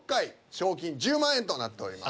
賞金１０万円となっております。